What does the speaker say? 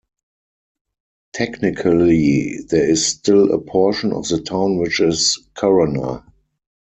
Technically, there is still a portion of the town which is Corona.